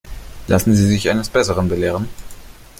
Lassen Sie sich eines Besseren belehren.